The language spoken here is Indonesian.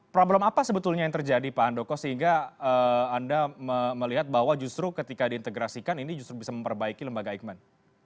problem apa sebetulnya yang terjadi pak andoko sehingga anda melihat bahwa justru ketika diintegrasikan ini justru bisa memperbaiki lembaga eijkman